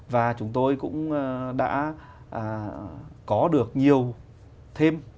và chúng tôi cũng đã có được nhiều thêm